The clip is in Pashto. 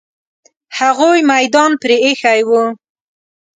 هغوی میدان پرې ایښی وو.